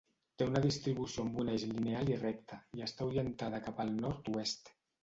Té una distribució amb un eix lineal i recte, i està orientada cap al nord-oest.